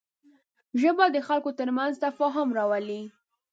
ژبه د خلکو تر منځ تفاهم راولي